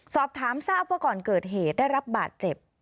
สอบถามทราบว่าก่อนเกิดเหตุได้รับบาดเจ็บ